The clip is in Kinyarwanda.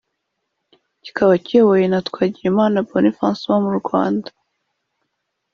kikaba kiyobowe na Twagirimana Boniface uba mu Rwanda